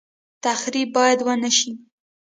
تخریب باید ونشي